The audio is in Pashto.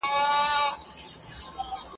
د نري رنځ د ناروغی په اثر !.